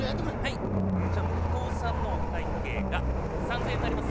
はい向こうさんのお会計が３０００円になります。